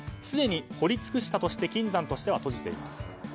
すでに掘り尽くしたとして金山としては閉じています。